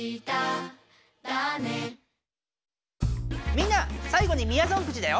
みんなさいごにみやぞんくじだよ！